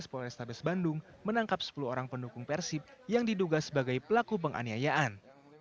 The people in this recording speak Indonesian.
polrestabes bandung menangkap sepuluh orang pendukung persib yang diduga sebagai pelaku penganiayaan